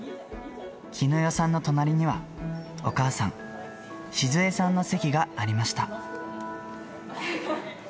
絹代さんの隣にはお母さん、静枝さんの席がありました。